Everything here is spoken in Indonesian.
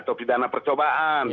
atau pidana percobaan